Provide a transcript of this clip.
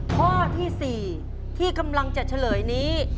ข้อที่๔ที่กำลังจะเฉลยนี้